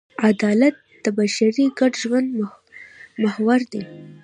عدالت د بشري ګډ ژوند محور دی.